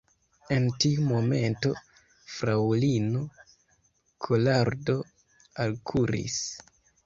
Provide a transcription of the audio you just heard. En tiu momento, fraŭlino Kolardo alkuris.